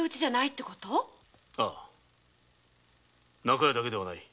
中屋だけではない。